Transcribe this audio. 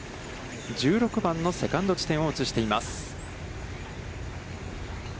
１６番のセカンド地点を映しています。